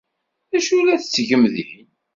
D acu i la tettgem din?